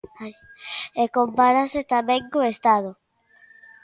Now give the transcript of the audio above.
E compárase tamén co Estado.